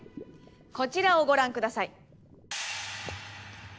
こちらをご覧ください。